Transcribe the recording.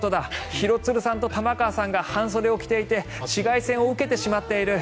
廣津留さんと玉川さんが半袖を着ていて紫外線を受けてしまっている。